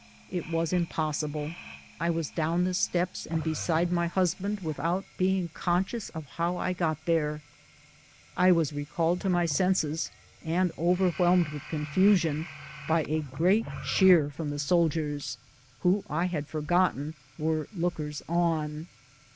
It was impossible. I was down the steps and beside mj^ husband without being conscious of how I got there. I was recalled to my senses and over whelmed with confusion by a great cheer from the sol diers, who, I had forgotten, were lookers on.